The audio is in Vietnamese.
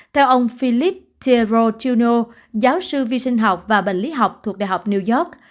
theo ông philip teero chino giáo sư vi sinh học và bệnh lý học thuộc đại học new york